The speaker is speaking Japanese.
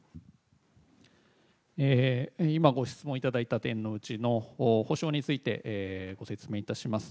今、ご質問いただいた点の補償についてご説明いたします。